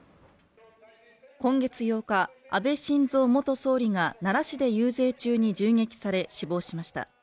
今月８日、安倍晋三元総理が奈良市で遊説中に銃撃され死亡しました。